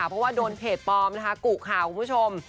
เพราะว่าโดนเพจปลอมนะคะกุข่าวคุณผู้ชม